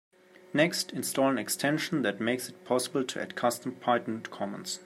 Next, install an extension that makes it possible to add custom Python commands.